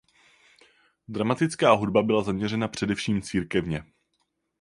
Dramatická hudba byla zaměřena především církevně.